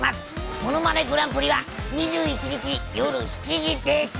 ものまねグランプリは２１日夜７時です。